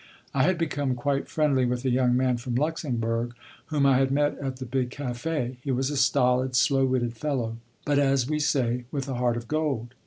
I had become quite friendly with a young man from Luxemburg whom I had met at the big café. He was a stolid, slow witted fellow, but, as we say, with a heart of gold.